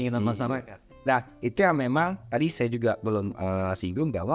nah itu yang memang tadi saya juga belum singgung bahwa